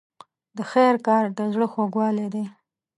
د خیر کار د زړه خوږوالی دی.